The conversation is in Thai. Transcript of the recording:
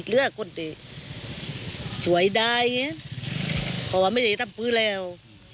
เพราะว่าไม่ให้ทำฟื้อแล้ว